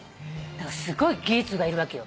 だからすごい技術がいるわけよ